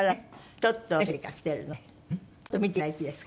ちょっと見て頂いていいですか？